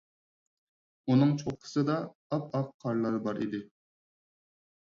ئۇنىڭ چوققىسىدا ئاپئاق قارلار بار ئىدى.